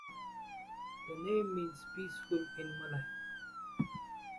The name means "peaceful" in Malay.